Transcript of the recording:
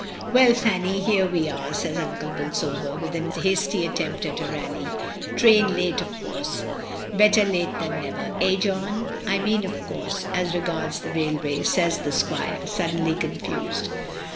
"Well, Fanny, here we are," says Uncle Bolsover, with a hasty attempt at a rally. "Train late, of course. Better late than never — eh, John? I mean, of course, as regards the railway," says the squire, suddenly confused.